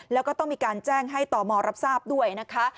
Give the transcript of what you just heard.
แล้วก็ต้องมีการแจ้งให้ต่อมอรับทราบด้วยนะคะ